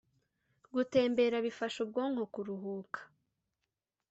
Gutembera bifasha ubwonko kuruhuka